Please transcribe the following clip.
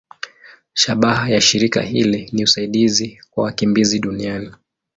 Shabaha ya shirika hili ni usaidizi kwa wakimbizi duniani.